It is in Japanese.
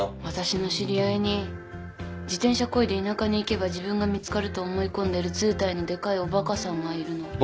私の知り合いに自転車こいで田舎に行けば自分が見つかると思い込んでるずうたいのでかいおバカさんがいるの。